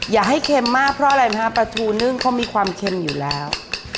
อย่าให้เค็มมากเพราะอะไรนะฮะปลาทูนึ่งเขามีความเค็มอยู่แล้ว